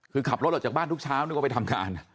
คือขับรถออกจากบ้านทุกเช้านึกว่าไปทำงาน